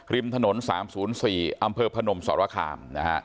ริมถนน๓๐๔อำเภอผนมสรคราม